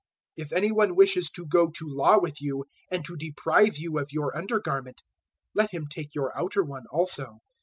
005:040 If any one wishes to go to law with you and to deprive you of your under garment, let him take your outer one also.